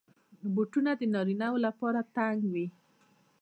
بوټونه د نارینه وو لپاره ټینګ وي.